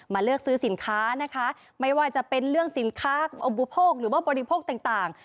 เลือกซื้อสินค้านะคะไม่ว่าจะเป็นเรื่องสินค้าอุปโภคหรือว่าบริโภคต่าง